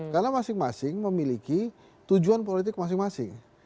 karena masing masing memiliki tujuan politik masing masing